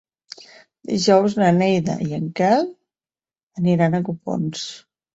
Dijous na Neida i en Quel aniran a Copons.